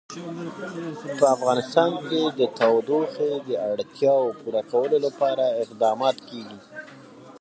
په افغانستان کې د تودوخه د اړتیاوو پوره کولو لپاره اقدامات کېږي.